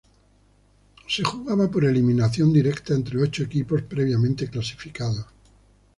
Se jugaba por eliminación directa entre ocho equipos, previamente clasificados.